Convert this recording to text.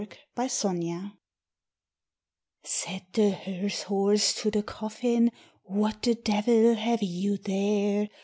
THE HEARSE HORSE. Said the hearse horse to the coffin, "What the devil have you there?